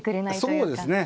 そうですね。